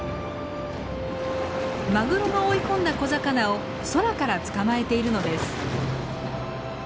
マグロが追い込んだ小魚を空から捕まえているのです。